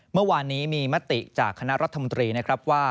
เมื่อวานนี้มีมติจากคณะรัฐมนตรีนะครับว่า